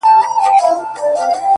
دا راته مه وايه چي تا نه منم دى نه منم،